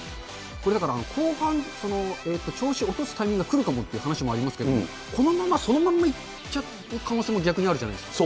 これ、だから後半、調子を落とすタイミングがくるかもって話ありますけれども、このまま、そのまんまいっちゃう可能性も、逆にあるじゃないですか。